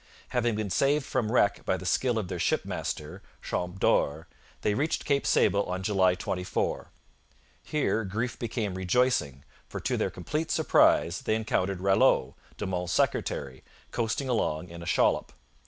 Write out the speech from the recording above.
Having been saved from wreck by the skill of their shipmaster, Champdore, they reached Cape Sable on July 24. Here grief became rejoicing, for to their complete surprise they encountered Ralleau, De Monts' secretary, coasting along in a shallop.